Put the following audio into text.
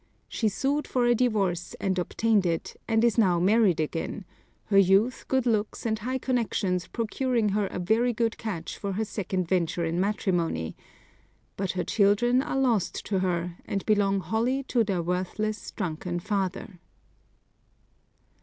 She sued for a divorce and obtained it, and is now married again; her youth, good looks, and high connections procuring her a very good catch for her second venture in matrimony; but her children are lost to her, and belong wholly to their worthless, drunken father.